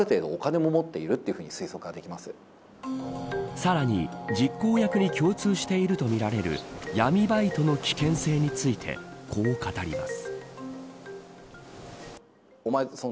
さらに、実行役に共通しているとみられる闇バイトの危険性についてこう語ります。